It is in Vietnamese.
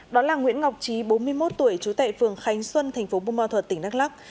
đó là nguyễn ngọc trí bốn mươi một tuổi trú tại phường khánh xuân thành phố bù ma thuật tỉnh đắk lắc